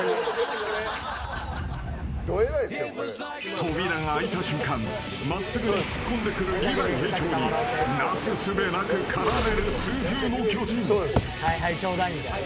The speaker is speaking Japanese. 扉が開いた瞬間真っすぐに突っ込んでくるリヴァイ兵長になすすべなく狩られる痛風の巨人。